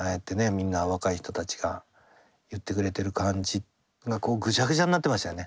みんな若い人たちが言ってくれてる感じがこうグジャグジャになってましたよね。